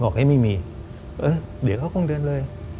บอกให้ไม่มีเออเดี๋ยวเขาก็ต้องเดินเลย